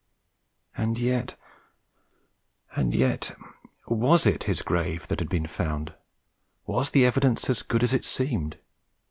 And yet and yet was it his grave that had been found? Was the evidence as good as it seemed?